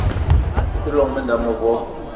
Bi te llong m'nda mevo